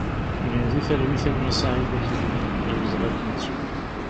Gen di talwit a gma Saïdi Akli, d awezɣi ad k-nettu!